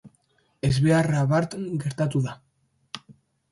Ezbeharra bart gertatu da.